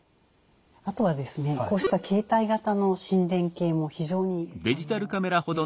あとはこうした携帯型の心電計も非常に有用です。